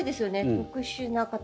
特殊な形。